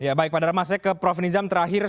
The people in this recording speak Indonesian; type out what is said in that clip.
ya baik pak dharma saya ke prof nizam terakhir